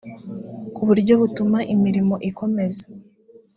ku buryo butuma imirimo ikomeza